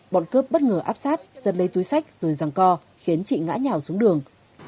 bọn cướp bất ngờ áp sát giật lấy túi sách rồi răng co khiến chị ngã nhào xuống đường